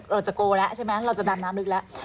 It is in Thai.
เราจะโกแล้วใช่ไหมเราจะดำน้ำลึกแล้ว